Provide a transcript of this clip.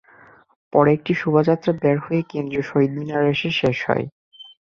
পরে একটি শোভাযাত্রা বের হয়ে কেন্দ্রীয় শহীদ মিনারে এসে শেষ হয়।